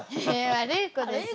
悪い子です。